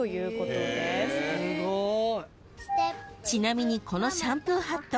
［ちなみにこのシャンプーハット